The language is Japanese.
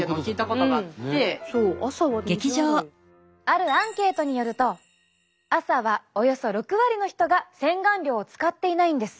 あるアンケートによると朝はおよそ６割の人が洗顔料を使っていないんです。